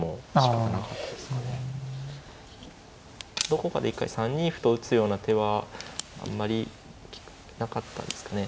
どこかで一回３二歩と打つような手はあんまりなかったですかね。